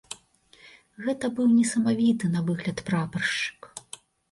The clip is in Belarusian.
Гэта быў несамавіты на выгляд прапаршчык.